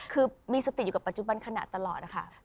คือมีสติอยู่กับปัจจุบันขณะตลอดนะคะ